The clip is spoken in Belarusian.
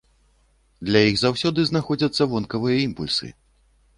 Для іх заўсёды знаходзяцца вонкавыя імпульсы.